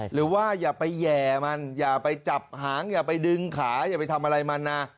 อย่าไปแห่มันอย่าไปจับหางอย่าไปดึงขาอย่าไปทำอะไรมันนะ